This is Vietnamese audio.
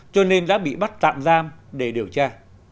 cho nên đã bị bắt tạm giam để điều tra